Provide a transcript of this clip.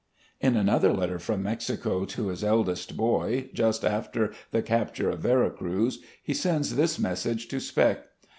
..." In another letter from Mexico to his eldest boy, just after the capture of Vera Cruz, he sends this message to Spec. ...